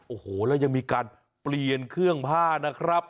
โอ้โหแล้วยังมีการเปลี่ยนเครื่องผ้านะครับ